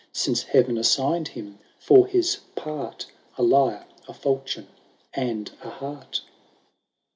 Since Heaven assigned him, for his part A Ijrre, a fklchion, and a heart